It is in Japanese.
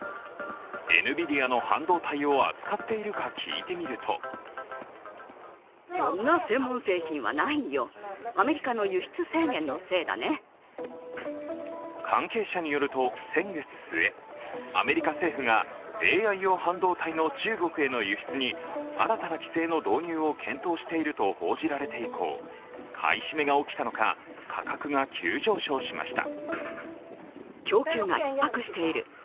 エヌビディアの半導体を扱っているか聞いてみると関係者によると先月末、アメリカ政府がＡＩ用半導体の中国への輸出に新たな規制の導入を検討していると報じられて以降、買い占めが起きたのか、価格が急上昇しました。